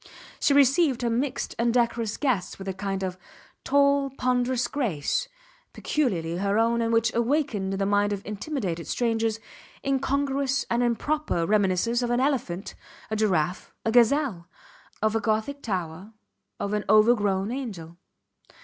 She received her mixed and decorous guests with a kind of tall, ponderous grace, peculiarly her own and which awakened in the mind of intimidated strangers incongruous and improper reminiscences of an elephant, a giraffe, a gazelle; of a gothic tower of an overgrown angel.